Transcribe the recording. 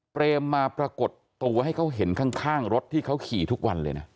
มาปรากฏตัวให้เขาเห็นข้างรถที่เขาขี่ทุกวันเลยนะ